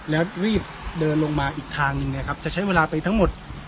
แล้วรีบเดินลงมาอีกทางหนึ่งนะครับจะใช้เวลาไปทั้งหมด